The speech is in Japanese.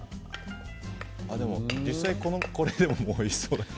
でも、実際にこれでもおいしそうですね。